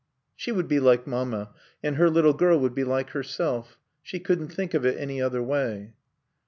She would be like Mamma, and her little girl would be like herself. She couldn't think of it any other way.